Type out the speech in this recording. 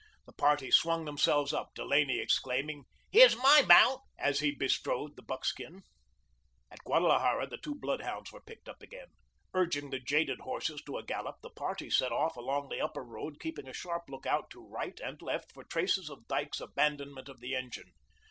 The party swung themselves up, Delaney exclaiming, "Here's MY mount," as he bestrode the buckskin. At Guadalajara, the two bloodhounds were picked up again. Urging the jaded horses to a gallop, the party set off along the Upper Road, keeping a sharp lookout to right and left for traces of Dyke's abandonment of the engine.